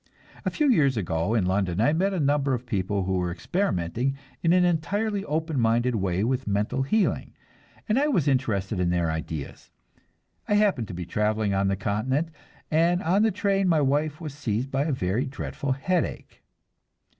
A few years ago in London I met a number of people who were experimenting in an entirely open minded way with mental healing, and I was interested in their ideas. I happened to be traveling on the Continent, and on the train my wife was seized by a very dreadful headache.